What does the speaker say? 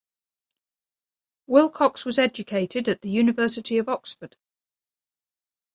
Wilcocks was educated at the University of Oxford.